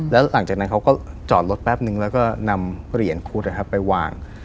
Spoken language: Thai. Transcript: แล้วหลังจากนั้นเขาก็จอดรถแป๊บนึงแล้วก็นำเหรียญคุดไปวาง